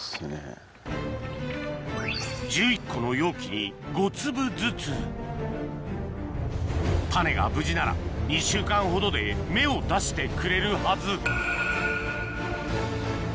１１個の容器に５粒ずつ種が無事なら１週間ほどで芽を出してくれるはず